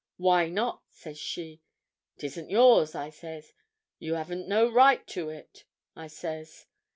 'Why not?' says she. ''Tisn't yours,' I says, 'you haven't no right to it,' I says.